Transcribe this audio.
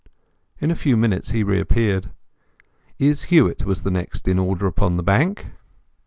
In a few minutes he reappeared. Izz Huett was the next in order upon the bank.